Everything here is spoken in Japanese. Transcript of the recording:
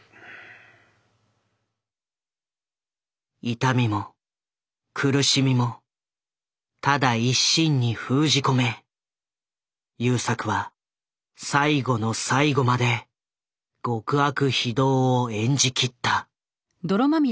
痛みも苦しみもただ一身に封じ込め優作は最後の最後まで極悪非道を演じ切った。